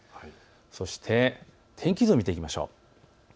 そして天気図を見ていきましょう。